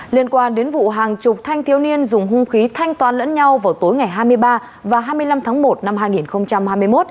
liên quan đến vụ hàng chục thanh thiếu niên dùng hung khí thanh toán lẫn nhau vào tối ngày hai mươi ba và hai mươi năm tháng một năm hai nghìn hai mươi một